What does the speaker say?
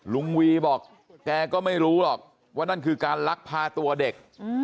ลุงวีบอกแกก็ไม่รู้หรอกว่านั่นคือการลักพาตัวเด็ก